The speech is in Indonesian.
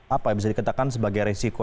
apa yang bisa dikatakan sebagai resiko